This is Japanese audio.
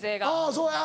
そうや。